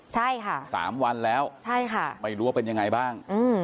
ใช่ค่ะสามวันแล้วใช่ค่ะไม่รู้ว่าเป็นยังไงบ้าง